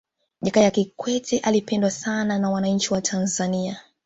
jakaya kikwete alipendwa sana na wananchi wa tanzania